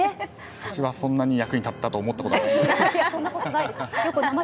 私はそんなに役に立ったとそんなことないですよ。